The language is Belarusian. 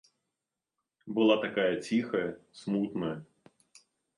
Была такая ціхая, смутная.